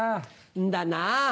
んだなぁ。